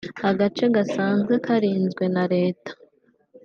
agace gasanzwe karinzwe na Leta